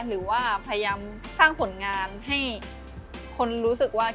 หรือว่าพยายามสร้างผลงานให้คนรู้สึกว่า